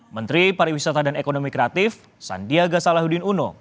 menteri pariwisata dan ekonomi kreatif sandiaga salahuddin uno